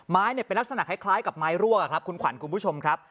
เป็นลักษณะคล้ายกับไม้รั่วครับคุณขวัญคุณผู้ชมครับ